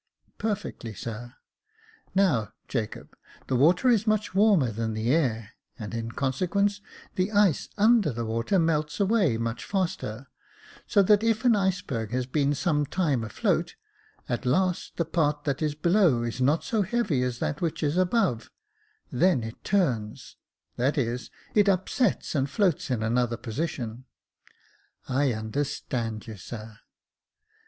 " "Perfectly, sir," Now, Jacob, the water is much warmer than the air, and, in consequence, the ice under the water melts away much faster ; so that if an iceberg has been some time afloat, at last the part that is below is not so heavy as that which is above ; then it turns, that is, it upsets and floats in another position." " I understand you, sir."